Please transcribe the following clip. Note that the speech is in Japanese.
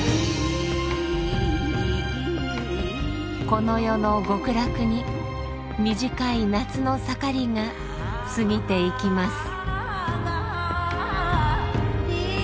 この世の極楽に短い夏の盛りが過ぎていきます。